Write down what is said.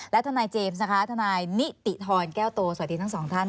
และทนายเจมส์นะคะทนายนิติธรแก้วโตสวัสดีทั้งสองท่าน